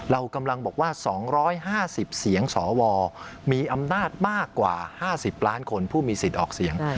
เรากำลังบอกว่า๒๕๐เสียงสวมีอำนาจมากกว่า๕๐ล้านคนผู้มีสิทธิ์ออกเสียง